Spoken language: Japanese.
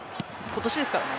今年ですからね。